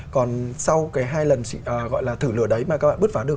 còn sau cái hai lần gọi là thử lửa đấy mà các bạn bước vào được